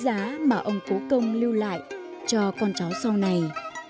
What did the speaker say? sẽ là thứ quý giá mà ông cố công lưu lại cho con cháu sau này